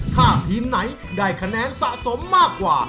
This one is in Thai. ถ้าทีมไหนได้คะแนนสะสมมากกว่า